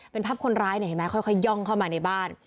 เป็นภาพคนร้ายเนี่ยเห็นไหมค่อยย่องเข้ามาในบ้าน